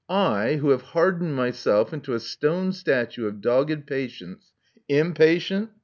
I, who have hardened myself into a stone statue of dogged patience, impatient!"